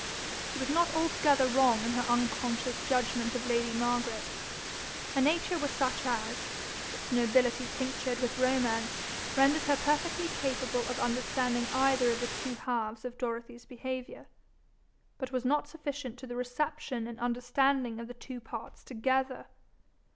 She was not altogether wrong in her unconscious judgment of lady Margaret. Her nature was such as, its nobility tinctured with romance, rendered her perfectly capable of understanding either of the two halves of Dorothy's behaviour, but was not sufficient to the reception and understanding of the two parts together.